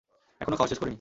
এখনো খাওয়া শেষ করিনি।